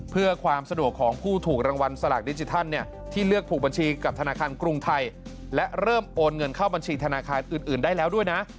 เพื่อความสะดวกของผู้ถูกรางวัลสลากดิจิทัลที่เลือกผูกบัญชีกับธนาคารกรุงไทยและเริ่มโอนเงินเข้าบัญชีธนาคารอื่นได้แล้วด้วยนะ